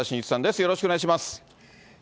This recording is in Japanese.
よろしくお願いします。